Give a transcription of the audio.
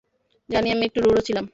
জানি আমি একটু রুঢ় ছিলাম।